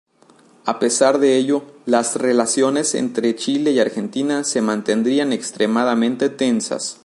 A pesar de ello, las relaciones entre Chile y Argentina se mantendrían extremadamente tensas.